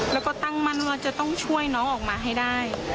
แล้วก็ตั้งมั่นว่าจะต้องช่วยน้องออกมาให้ได้